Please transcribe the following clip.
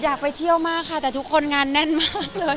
ไปเที่ยวมากค่ะแต่ทุกคนงานแน่นมากเลย